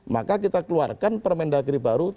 maka kita keluarkan permendagri baru